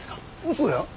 そうや。